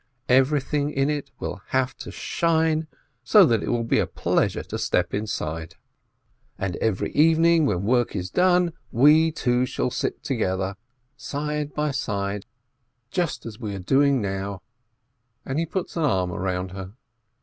Everything in it will have to shine, so that it will be a pleasure to step inside." 500 ASCH "And every evening when work is done, we two shall sit together, side by side, just as we are doing now," and he puts an arm around her.